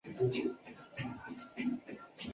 私掠船通常被利用来破坏敌国的海上贸易线。